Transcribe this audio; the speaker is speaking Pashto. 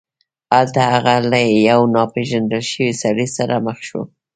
هلته هغه له یو ناپيژندل شوي سړي سره مخ شو.